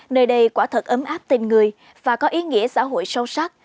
nơi đây quả thật ấm áp tình người và có ý nghĩa xã hội sâu sắc